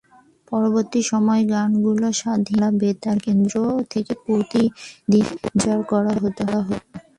পরবর্তী সময়ে গানগুলো স্বাধীন বাংলা বেতার কেন্দ্র থেকে প্রতিদিন প্রচার করা হতো।